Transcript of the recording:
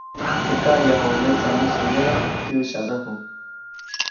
Teʼ kaʼyajubä metsa musoyedaʼm, kyäʼsyadäju.